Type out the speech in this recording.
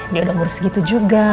dia udah ngurus segitu juga